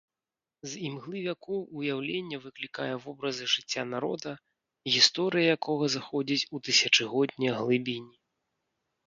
З імглы вякоў уяўленне выклікае вобразы жыцця народа, гісторыя якога заходзіць у тысячагоднія глыбіні.